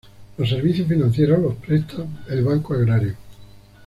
Los servicios financieros los presta el Banco Agrario.